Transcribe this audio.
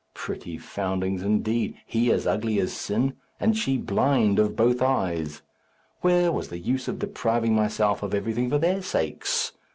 Pretty foundlings, indeed; he as ugly as sin, and she blind of both eyes! Where was the use of depriving myself of everything for their sakes?